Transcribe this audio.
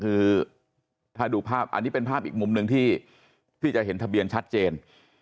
คือถ้าดูภาพอันนี้เป็นภาพอีกมุมหนึ่งที่จะเห็นทะเบียนชัดเจน